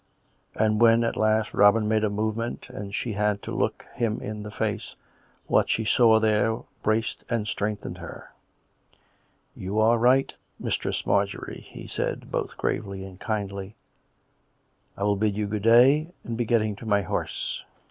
But when at last Robin made a movement and she had to look him in the face, what she saw there braced and strengthened her. 128 COME RACK! COME ROPE! " You are right. Mistress Marjorie," he said both gravely and kindly. " I will bid you good day and be getting to my horse."